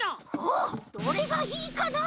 おっどれがいいかな？